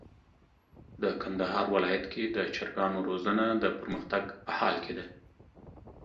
د کندهار ولايت کي د چرګانو روزنه د پرمختګ په حال کي ده.